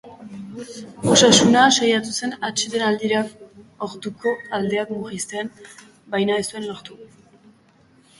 Osasuna, saiatu zen atsedenaldira orduko aldeak murrizten, baina ez zuen lortu.